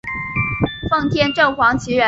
奉天正黄旗人。